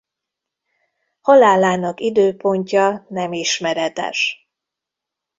Halálának időpontja nem ismeretes.